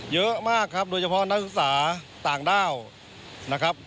เยอะมากครับโดยเฉพาะนักศึกษาต่างด้าวนะครับ